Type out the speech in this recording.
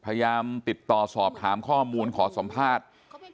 พยายามติดต่อสอบถามข้อมูลขอสัมภาษณ์